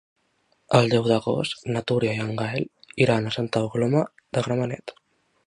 El deu d'agost na Tura i en Gaël iran a Santa Coloma de Gramenet.